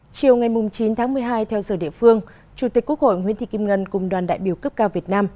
chiều ngày chín tháng một mươi hai theo giờ địa phương chủ tịch quốc hội nguyễn thị kim ngân cùng đoàn đại biểu cấp cao việt nam